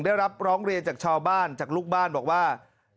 ได้รับร้องเรียนจากชาวบ้านจากลูกบ้านบอกว่า